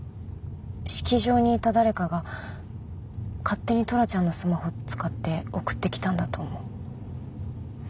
式場にいた誰かが勝手にトラちゃんのスマホ使って送ってきたんだと思う。